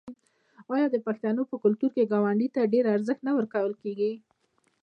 آیا د پښتنو په کلتور کې ګاونډي ته ډیر ارزښت نه ورکول کیږي؟